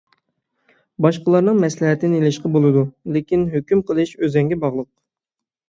باشقىلارنىڭ مەسلىھەتىنى ئېلىشقا بولىدۇ، لېكىن ھۆكۈم قىلىش ئۆزۈڭگە باغلىق.